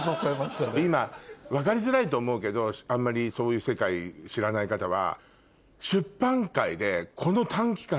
今分かりづらいと思うけどあんまりそういう世界知らない方は。